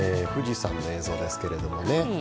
富士山の映像ですけれどもね。